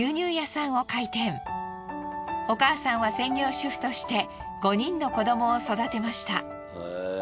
お母さんは専業主婦として５人の子どもを育てました。